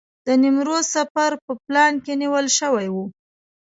د نیمروز سفر په پلان کې نیول شوی و.